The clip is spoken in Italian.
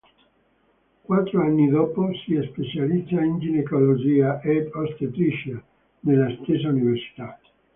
Quattro anni dopo si specializza in ginecologia ed ostetricia nella stessa università.